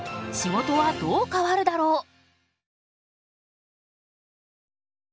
仕事はどう変わるだろう？